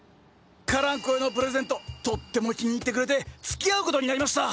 カランコエのプレゼントとっても気に入ってくれてつきあうことになりました。